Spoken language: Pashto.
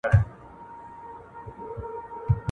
د بدن ساعت سیسټم د عمر سره بدلیږي.